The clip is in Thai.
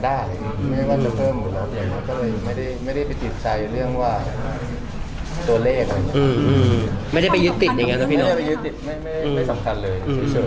ตัวเลขไม่ได้ไปยึดติดไม่สำคัญเลย